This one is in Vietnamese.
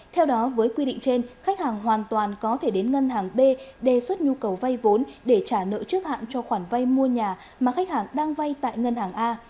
theo đó với quy định trên khách hàng hoàn toàn có thể đến ngân hàng b đề xuất nhu cầu vay vốn để trả nợ trước hạn cho khoản vay mua nhà mà khách hàng đang vay tại ngân hàng a